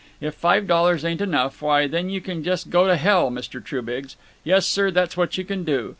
If five dollars ain't enough, why, then you can just go to hell, Mr. Trubiggs; yes, sir, that's what you can do.